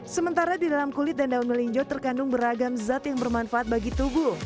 sementara di dalam kulit dan daun melinjo terkandung beragam zat yang bermanfaat bagi tubuh